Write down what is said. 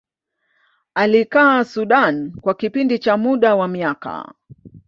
alikaa Sudan kwa kipindi cha muda wa miaka